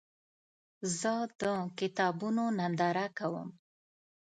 زه د کتابونو ننداره کوم.